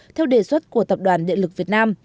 theo đề xuất của tập đoàn điện lực việt nam